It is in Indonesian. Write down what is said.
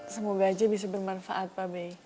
semoga aja bisa bermanfaat pak bey